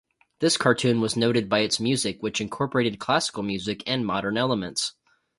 This cartoon was noted by its music, which incorporated classical music and modern elements.